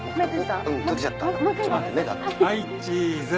はいチーズ。